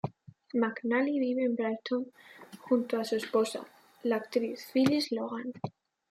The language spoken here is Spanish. McNally vive en Brighton junto a su esposa, la actriz Phyllis Logan.